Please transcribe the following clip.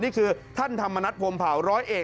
นี่คือท่านทำนัดพวงเผาร้อยเอก